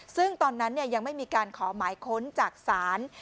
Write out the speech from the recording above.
ซึ่งตอนนั้นยังไม่มีการขอหมายค้นจากศาล